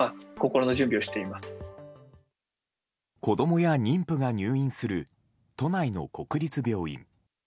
子供や妊婦が入院する都内の国立病院。